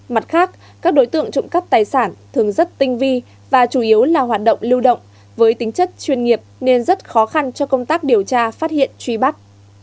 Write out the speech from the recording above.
mặt khác các đối tượng trộm cắp tài sản thường rất tinh vi và chủ yếu là hoạt động lưu động với tính chất chuyên nghiệp nên rất khó khăn cho công tác điều tra phát hiện truy bắt